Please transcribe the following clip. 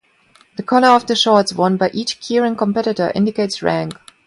The color of the shorts worn by each keirin competitor indicates rank.